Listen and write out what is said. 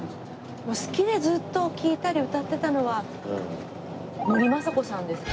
好きでずっと聴いたり歌ってたのは森昌子さんですね。